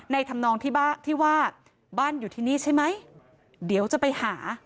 ในธำนองที่ว่าบ้านอยู่ที่นี่ใช่ไหมเดี๋ยวจะไปหา